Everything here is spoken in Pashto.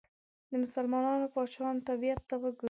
د مسلمانو پاچاهانو طبیعت ته وګورئ.